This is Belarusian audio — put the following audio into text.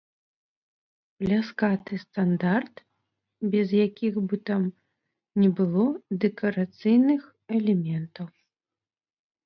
Пляскаты стандарт, без якіх бы там ні было дэкарацыйных элементаў.